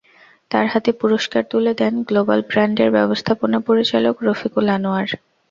তাঁর হাতে পুরস্কার তুলে দেন গ্লোবাল ব্র্র্যান্ডের ব্যবস্থাপনা পরিচালক রফিকুল আনোয়ার।